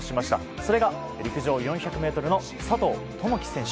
それが陸上４００ｍの佐藤友祈選手。